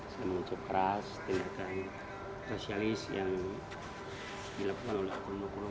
saya mengucap keras tindakan rasialis yang dilakukan oleh okul okul